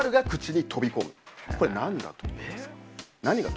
これ何だと思いますか？